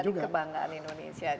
dan kebanggaan indonesia juga